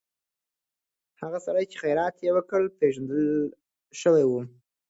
هغه سړی چې خیرات یې وکړ، پېژندل شوی و.